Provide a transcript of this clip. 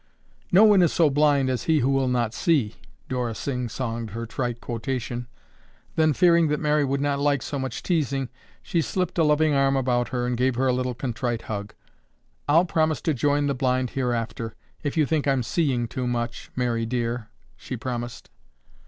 "No one is so blind as he who will not see," Dora sing songed her trite quotation, then, fearing that Mary would not like so much teasing, she slipped a loving arm about her and gave her a little contrite hug. "I'll promise to join the blind hereafter, if you think I'm seeing too much, Mary dear," she promised.